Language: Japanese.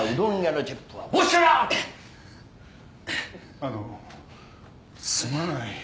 あのうすまない。